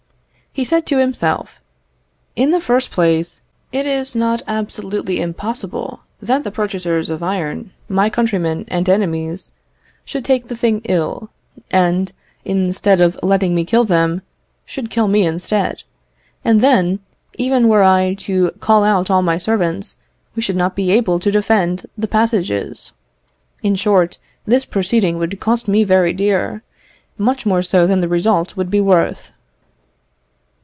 He said to himself, "In the first place, it is not absolutely impossible that the purchasers of iron, my countrymen and enemies, should take the thing ill, and, instead of letting me kill them, should kill me instead; and then, even were I to call out all my servants, we should not be able to defend the passages. In short, this proceeding would cost me very dear, much more so than the result would be worth."